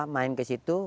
saya main ke situ